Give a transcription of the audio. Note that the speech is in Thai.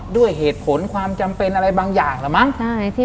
ด้วยเหตุผลความจำเป็นอะไรบางอย่างแล้วมั้ง